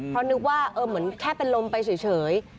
เพราะนึกว่าเหมือนแค่เป็นลมไปเฉย